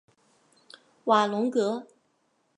瓦龙格。